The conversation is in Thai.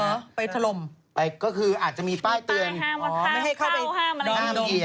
หรอไปถล่มไปก็คืออาจจะมีป้ายเตือนอ๋อไม่ให้เข้าไปห้ามอะไรอยู่ห้ามเหยียบ